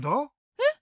えっ？